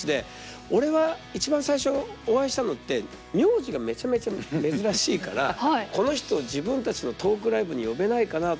俺は一番最初お会いしたのって名字がめちゃめちゃ珍しいからこの人を自分たちのトークライブに呼べないかなと思って。